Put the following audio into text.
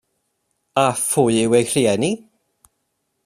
A phwy yw ei rhieni?